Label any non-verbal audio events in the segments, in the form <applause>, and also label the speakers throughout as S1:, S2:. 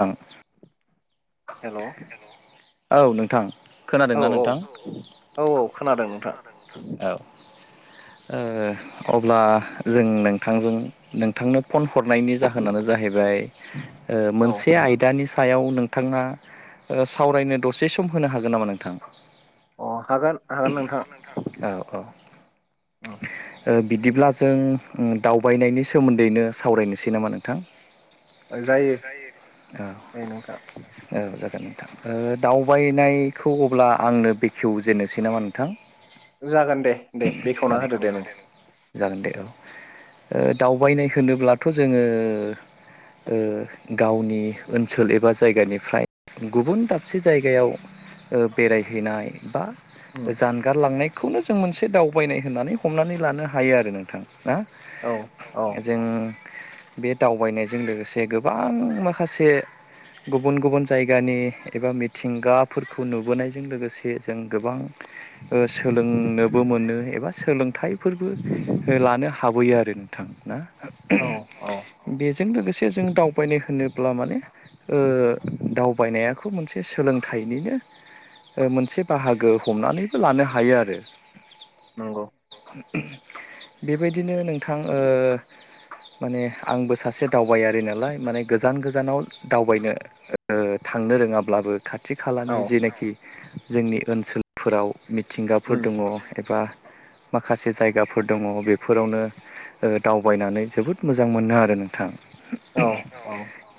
S1: औ,
S2: हेल'
S1: औ नोंथां। खोनादोंना नोंथां? औ, औ, खोनादों औ। ओ, अब्ला जों नोंथांजों नोंथांनो फन हरनायनि जाहोनानो जों ओ, जाहैबाय मोनसे आयदानि सायाव। नोंथाङा सावरायनो दसे सम होनो हागोन नामा नोंथां? औ औ, ओम बिदिब्ला जों दावबायनायनि सोमोन्दैनो सावरायनोसै नामा नोंथां?
S2: जायो, जायो नोंथां।
S1: औ जागोन नोंथां ओ दावबायनायखौ अब्ला आंनो बेखेवजेननोसै नामा नोंथां?
S2: जागोन दे दे बेखेवना होदो दे नों
S1: जागोन दे औ ओ दावबायनाय होनोब्लाथ' जोङो ओ, गावनि ओनसोल एबा जायगानिफ्राय गुबुन दाबसे जायगायाव ओ, बेरायहैनाय बा जानगार लांनायखौनो जों मोनसे दावबायनाय होननानै हमनानै लानो हायो आरो नोंथां। ना? जों बे दावबायनायजों लोगोसे गोबां माखासे गुबुन गुबुन जायगानि एबा मिथिंगाफोरखौ नुबोनायजों लोगोसे जों गोबां ओ सोलोंनोबो मोनो एबा सोलोंथाइफोरबो लानो हाबोयो आरो नोंथां ना?
S2: औ औ
S1: जों लोगोसे जों दावबायनो होनोब्ला माने ओ, दावबायनायाखौ मोनसे सोलोंथाइनिनो मोनसे बाहागो हमनानैबो लानो हायो आरो
S2: नंगौ
S1: बेबायदिनो नोंथां, ओ माने आंबो सासे दावबायारि नालाय माने गोजान गोजानाव दावबायनो ओ थांनो रोङाब्लाबो खाथि खालानि जेनोखि जोंनि ओनसोलफोराव मिथिंगाफोर दङ एबा माखासे जायगाफोर दङ बेफोरावनो ओ, दावबायनानै जोबोद मोजां मोनो आरो नोंथां।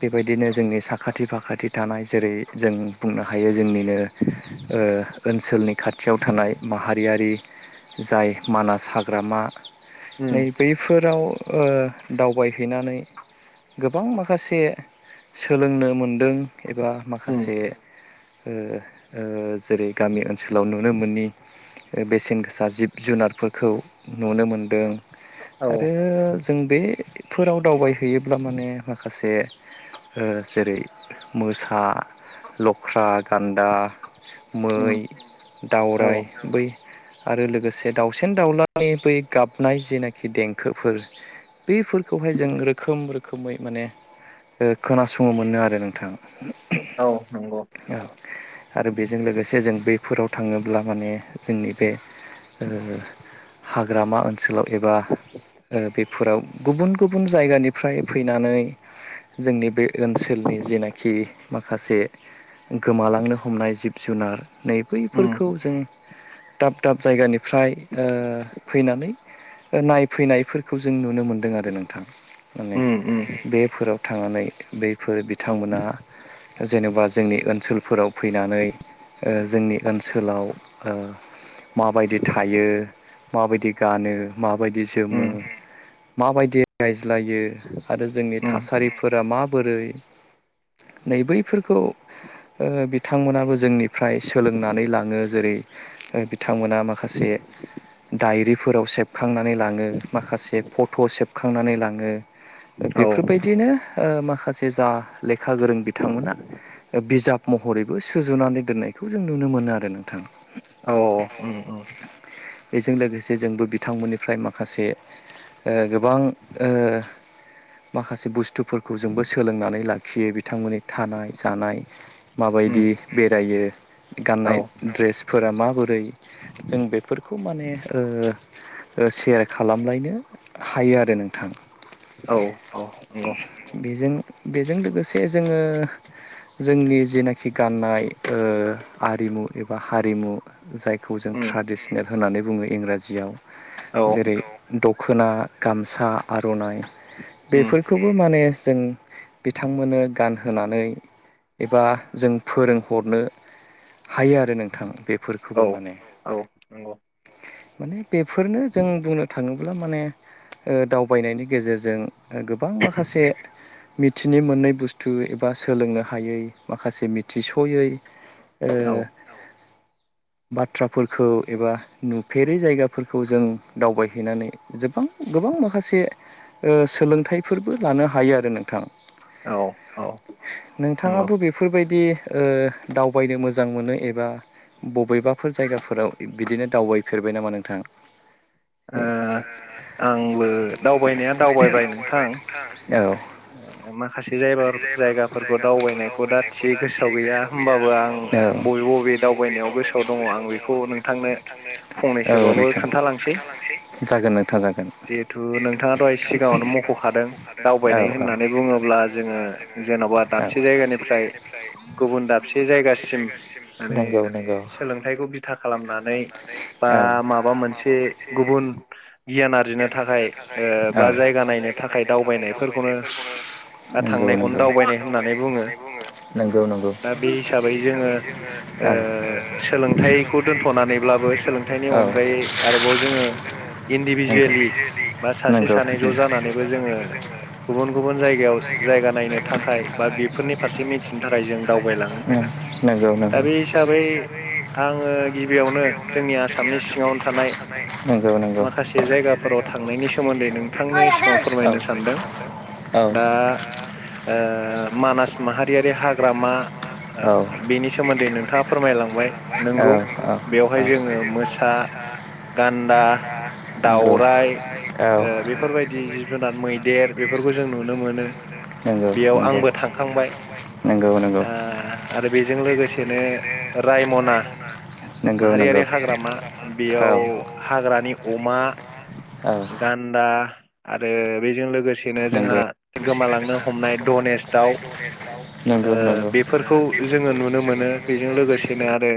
S1: बेबाय दिनो जोंनि साखाथि फाखाथि थानाय जेरै जों बुंनो हायो जोंनिनो, ओ ओनसोलनि खाथियाव थानाय माहारियारि जाय मानास हाग्रामा नै बैफोराव ओ, दावबायहैनानै गोबां माखासे सोलोंनो मोनदों एबा माखासे ओ ओ जेरै गामि ओनसोलाव नुनो मोननि बेसेन गोसा जिब जुनारफोरखौ नुनो मोनदों आरो जों बेफोराव दावबायहैयोब्ला माने माखासे ओ जेरै मोसा लख्रा गान्दा मै दावराय बै आरो लोगोसे दाउसेन दाउलानि बै गाबनाय जेनाखि देंखोफोर बेफोरखौहाय जों रोखोम रोखोमै माने ओ खोनासङो मोन नो आरो नोंथां
S2: औ नंगौ
S1: आरो बेजों लोगोसे जों बैफोराव थाङोब्ला माने जोंनि बे ओ हाग्रामा ओनसोलाव एबा ओ बेफोराव गुबुन गुबुन जायगानिफ्राय फैनानै जोंनि बे ओनसोलनि जेनाखि माखासे गोमालांनो हमनाय जिब जुनार नै बैफोरखौ जों दाब दाब जायगानिफ्राय ओ फैनानै नायफैनायफोरखौ जों नु नो मोनदों आरो नोंथां माने बेफोराव थांनानै बै फोर बिथांमोना जेनेबा जोंनि ओनसोलफोराव फैनानै ओ जोंनि ओनसोलाव ओ माबायदि थायो माबायदि गानो माबायदि जोमो माबायदि रायज्लायो आरो जोंनि थासा रिफोरा माबोरै नैबैफोरखौ ओ बिथांमोनाबो जोंनि फ्राय सोलोंनानै लाङो जेरै बिथांमोना माखासे दायरि फोराव सेबखांनानै लाङो माखासे फट' सेबखांनानै लाङो बेफोर माखासे जा लेखा गोरों बिथांमोना बिजाब महरैबो सुजुनानै दोननायखौ जों नुनो मोनो आरो नोंथां।
S2: औ
S1: बेजों लोगोसे जोंबो बिथांमोननिफ्राय माखासे ओ गोबां ओ माखासे बुस्थुफोरखौ जोंबो सोलोंनानै लाखियो बिथांमोननि थानाय जानाय माबायदि बेरायो गाननाय द्रेस फोर माबोरै जों बेफोरखौ माने सेयार खालामलायनो हायो आरो नोंथां।
S2: औ
S1: बेजों बेजों लोगोसे जोङो जोंनि जेनाखि गाननाय आरिमु एबा हारिमु जायखौ जों ट्रडिसनेल होननानै बुङो इंराजियाव जेरै द खोना गामसा आर'नाइ बेफोरखौबो माने जों बिथांमोननो गानहोनानै एबा जों फोरोंहरनो हायो आरो नोंथां बेफोरखौबो माने माने बेफोरनो जों बुंनो थाङोब्ला माने दावबायनायनि गेजेरजों गोबां माखासे मिथिनो मोनै बुस्थु एबा सोलोंनो हायै माखासे मिथिस'यै ओ बाथ्राफोरखौ एबा नुफेरै जायगाफोरखौ जों दावबायहैनानै गोबां गोबां माखासे सोलोंथाइफोरबो लानो हायो आरो नोंथाङा। नोंथाङाबो बेफोरबायदि दावबायनो मोजां मोनो एबा बबेबाफोर जायगाफोराव बिदिनो दावबायफेरबाय नामा नोंथां?
S2: आंबो दावबायनाया दावबायबाय नोंथां। माखासे जाय जायगाफोरखौ दावबायनायखौ दा थि गोसोआव गैया होमबाबो आं बबे बबे दावबायनायाव गोसोआव दङ आं बेखौ नोंथांनो फंनैसोबाबो खोन्थालांसै जिहेथु नोंथाङाथ' एसे सिगाङावनो मख'खादों दावबायनाय होननानै बुङोब्ला जोङो जेन'बा दाबसे जायगानिफ्राय
S1: फ्राय
S2: गुबुन दाबसे जायगासिम माने सोलोंथाइखौ बिथा खालामनानै माबा मोनसे गुबुन गियाना आरिनो थाखाय ओ बा जायगा नायनो थाखाय दावबायनायफोरखौनो थांनायखौनो दावबायनाय होननानै बुङो दा बे हिसाबै जोङो सोलोंथाइखौ दोन्थ'नानैब्लाबो सोलोंथाइनि अनगायै आरोबाव जोङो इन्दिभिजुवेलि बा सासे सानै ज' जानानैबो जोङो गुबुन गुबुन जायगायाव जायगा नायनो थाखाय बा बेफोरनि फारसे मिथिनो थाखाय जों दावबायलाङो। दा बे हिसाबै आङो गिबियावनो जोंनि आसामनि सिङावनो थानाय
S1: नंगौ नंगौ
S2: से जायगाफोराव थांनायनि सोमोन्दै नोंथांनि सिगाङाव फोरमायनो सानदों। दा ओ मानास माहारियारि हाग्रामा ओ बेनि सोमोन्दै नोंथाङा फोरमायलांबाय नोंगौ बेवहाय जोङो मोसा गान्दा दाउराइ बेफोरबायदि जिब जुनार मैदेर बेफोरखौ जों नुनो मोनो । बेयाव आंबो थांखांबाय आरो बेजों लोगोसेनो रायमना माहारियारि हाग्रामा बेयाव हाग्रानि अमा गान्दा आरो बेजों लोगोसे लोगोसेनो जोंहा गोमालांनो हमनाय डनेस दाउ ओ बेफोरखौ जोङो नुनो मोनो बेजों लोगोसेनो आरो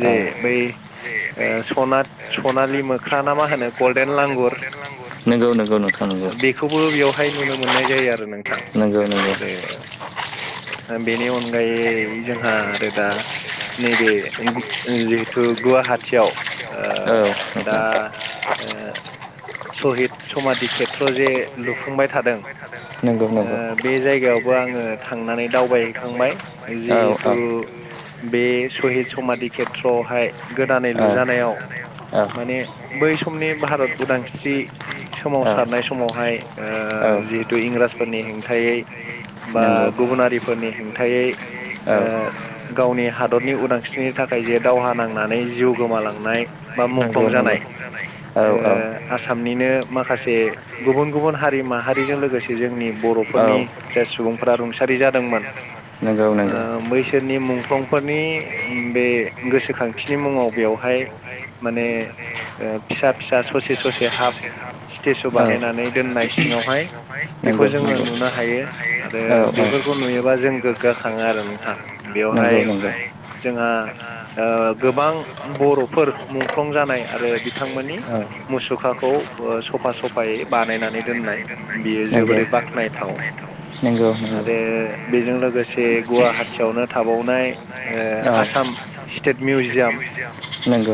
S2: जे बै सनात सनालि मोख्रा ना मा होनो गलडेन लांगुर ओ बेखौबो बे नुनो मोननाय जायो आरो नोंथां आरो बेनि अनग अगायै जोंहा आरो दा नैबे जिहेथु गुवाहाटियाव ओ दा ओ सहिद समादि खेथ्र' जे लुफुंबाय थादों बे जायगायावबो आङो था दावखांबाय जिहेथु बे सहिद समधि खे्रआवहाय गोदानै लुजानायाव माने बै समनि भारत उदांस्रि सोमावसारनाय समावहाय जिहेथु ओ इंराजफोरनि हेंथायै बा गुबुनारिफोरनि हेंथायै ओ गावनि हा भारतनि उदांस्रिनि थाखाय जे दावहा नांनानै जिउ गोमालांनाय
S1: नंगौ नंगौ
S2: ओ आसामनिनो माखासे गुबुन गुबुन हारि माहारिजों लोगोसे जोंनि बर बर'फोरनि जाय सुबुंफोरा रुंसारि जादोंमोन ओ बैसोरनि मुंख्लंफोरनि बे गोसोखांथिनि मुङाव बेवहाय माने ओ फिसा फिसा ससे ससे हाफ स्टेसु बानायनानै दोननाय सिङाव हाय बेखौ जोङो नुनो हायो आरो बेफोरखौ नुयोबा जों गोग्ग खाङो आरो बेवहाय जोंहा ओ गोबां बर'फोर मुंख्लं जानाय आरो बिथांमोननि मुसुखाखौ सफा सफायै बानायनानै दोननाय यो जोबोरै बाख्नायथाव आरो बेजों लोगोसे गुव गुवाहाटियावनो थाबावनाय ओ आसाम स्टेट मिउजियाम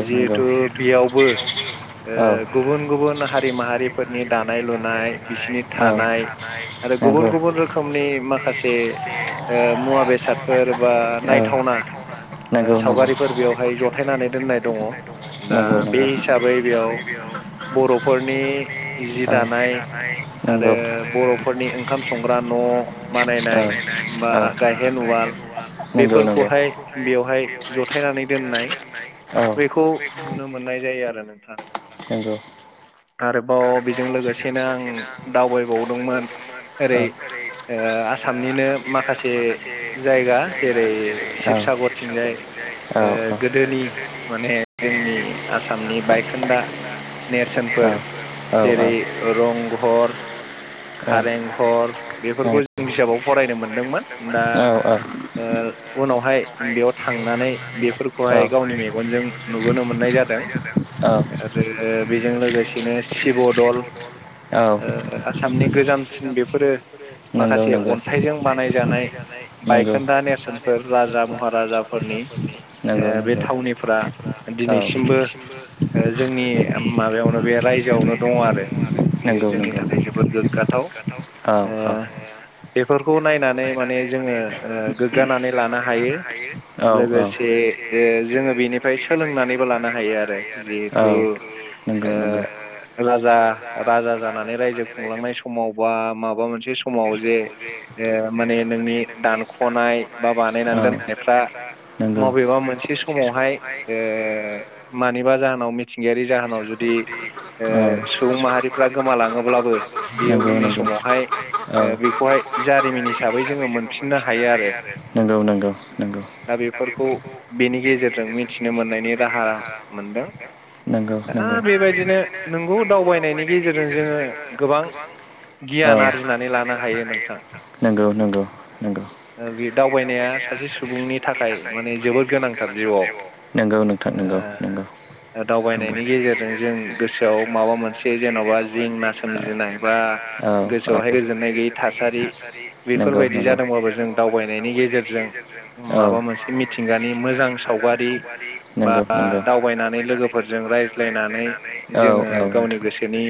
S2: जिहेथु बेयावबो गुबुन गुबुन हारि माहारिफोरनि दानाय लुनाय बिसिनि थानाय आरो गुबुन गुबुन रोखोमनि माखासे ओ मुवा बेसादफोर बा नायथावना ओ सावगारिफोर बेवहाय जथायनानै दोननाय दङ दा बे हिसाबै बेयाव बर'फोरनि जि दानाय आरो बर'फोरनि ओंखाम संग्रा न' बानायनाय बा गायहेन उवाल बेफोरखौहाय बेवहाय जथायनानै दोननाय बेखौ नुनो मोननाय जायो आरो नोंथाङा
S1: नंगौ
S2: आरोबाव बेजों लोगोसेनो आं दावबायबावदोंमोन ओरै आसामनिनो माखासे जायगा जेरै शिबसागरथिंजाय ओ गोदोनि माने जोंनि आसामनि बायखोन्दा नेरसोनफोर जेरै रंघर खारेंघर बेफोरखौ जों बिजाबाव फरायनो मोनो दा ओ उनावहाय बेयाव थांनानै बेफोरखौहाय गावनि मेगं मेगनजों नुबोनो मोननाय जादों आरो बेजों लोगोसेनो शिब दल ओ आसामनि गोजामसिन बेफोरो माखासे अन्थाइजों बानायजानाय बायखोन्दा नेरसोनफोर राजा महाराजाफोरनि बे थावनि दिनैसिमबो ओ जोंनि माबायावनो बे रायजोआवनो दङ आरो बेयो जोंनि थाखाय जोबोद गोग्गाथाव
S1: औ औ
S2: बेफोरखौ नायनानै माने जोंङो ओ गोग्गानानै लानो हायो लोगोसे ओ जोंङो बेनिफ्राय सोलोंनानैबो लानो हायो आरो जिहेथु राजा राजा जानानै रायजो खुंलांनाय समाव बा माबा मोनसे बे समाव जे माने नोंनि दानख'नाय बा बानायनानै दोननायफ्रा मबेबा मोनसे समावहाय
S1: हाय ओ
S2: मानिबा बेयो उननि समावहाय बेखौहाय जारिमिन हिसाबै जोङो मोनफिननो हायो आरो दा बेफोरखौ बेनि गेजेर- मिथिनो मोननायनि राहा मोनदों दा बेबायदिनो नोंगौ दावबायनाय नि गेजेरजों जोङो गोबां गियान आरजिनानै
S1: नानै लानो हायो नंगौ-नंगौ-नंगौ बे दावबायनाया सासे सुबुंनि थाखाय माने जोबोद गोनांथार जिउआव नोंगौ नोंथां नोंगौ नंगौ
S2: दावबायनायनि गेजेरजों जों गोसोआव माबा मोनसे जेन'बा जेंना सोमजिनाय बा गोसोआव गोजोननाय गैयै थासारि बेफोरबायदि जादोंबाबो जों दावबायनायनि गेजेरजों माबा मोनसे मिथिंगानि मोजां सावगारि बा दावबायनानै लोगोफोरजों रायज्लायनानै जोङो गावनि गोसो गोसोनि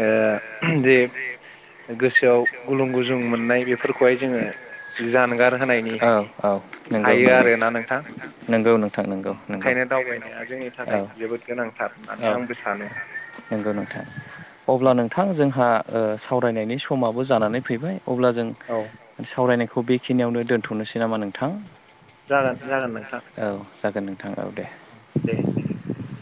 S2: ओ जे गोसोआव गुलुं गुजुं मोननाय बेफोरखौहाय जानगार होनायनि हायो आरोना नोंथां ओंखायनो दावबायनाया जोंनि थाखाय जोबोद गोनांथार होननानै आंबो सानो
S1: नंगौ नोंथां अब्ला नोंथां जोंहा ओ सावरायनाय नि समाबो जानानै फैबाय अब्ला जों सावरायनाय -खौ बेखिनियावनो दोन्थ'नोसै नामा नोंथां जागोन जागोन औ <inaudible>